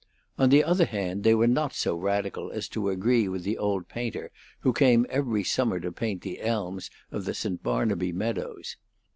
On the other hand, they were not so radical as to agree with the old painter who came every summer to paint the elms of the St. Barnaby meadows.